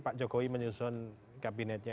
pak jokowi menyusun kabinetnya